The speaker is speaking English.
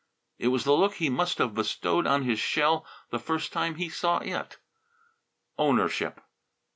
It was the look he must have bestowed on his shell the first time he saw it. Ownership!